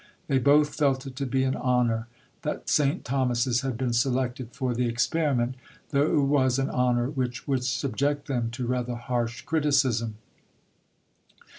They both felt it to be an honour that St. Thomas's had been selected for the experiment, though it was an honour which "would subject them to rather harsh criticism."